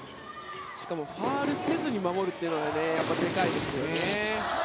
しかもファウルせずに守るというのがでかいですよね。